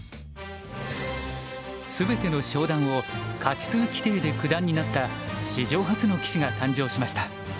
全ての昇段を勝数規定で九段になった史上初の棋士が誕生しました。